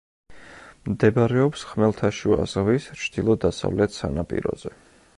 მდებარეობს ხმელთაშუა ზღვის ჩრდილო-დასავლეთ სანაპიროზე.